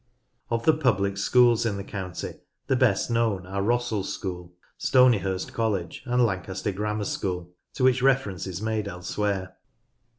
Of the public schools in the county the best known are Rossall School, Stoneyhurst College, and Lancaster Grammar School, to which reference is made else where.